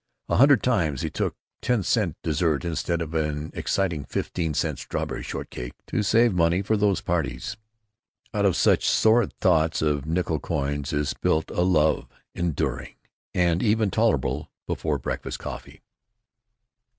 A hundred times he took a ten cent dessert instead of an exciting fifteen cent strawberry shortcake, to save money for those parties. (Out of such sordid thoughts of nickel coins is built a love enduring, and even tolerable before breakfast coffee.)